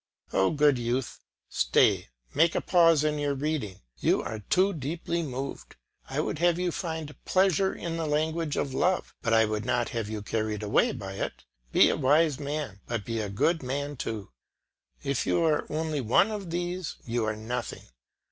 Oh, good youth, stay, make a pause in your reading, you are too deeply moved; I would have you find pleasure in the language of love, but I would not have you carried away by it; be a wise man, but be a good man too. If you are only one of these, you are nothing.